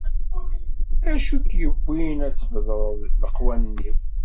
Acu i k-iwwin ad d-tbedreḍ leqwanen-iw.